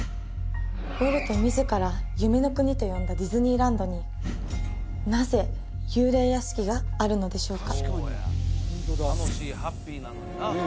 ウォルト自ら「夢の国」と呼んだディズニーランドになぜ幽霊屋敷があるのでしょうか？